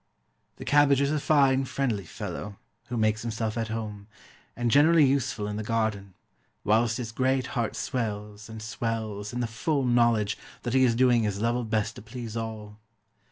The CABBAGE is a fine, friendly fellow, who makes himself at home, and generally useful, in the garden; whilst his great heart swells, and swells, in the full knowledge that he is doing his level best to please all.